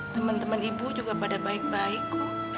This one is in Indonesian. teman teman ibu juga pada baik baik